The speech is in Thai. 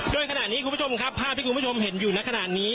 โดยขณะนี้คุณผู้ชมครับภาพที่คุณผู้ชมเห็นอยู่ในขณะนี้